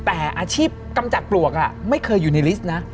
แต่อาชีพกำจัดปลวกไม่เคยอยู่ในลิสต์นะ